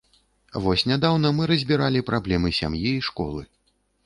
Вось нядаўна мы разбіралі праблемы сям'і і школы.